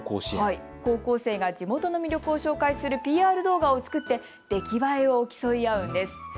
高校生が地元の魅力を紹介するＰＲ動画を作って出来栄えを競い合うんです。